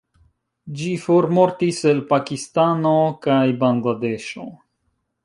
Ĝi formortis el Pakistano kaj Bangladeŝo.